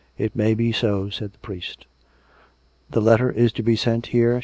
" It may be so," said the priest. " The letter is to be sent here